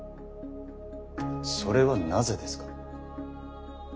それはなぜですか？